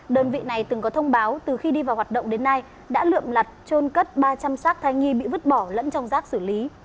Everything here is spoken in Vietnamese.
đơn vị này từng có thông báo từ khi đi vào hoạt động đến nay đã lượm lặt trôn cất ba trăm linh sát thai nghi bị vứt bỏ lẫn trong rác xử lý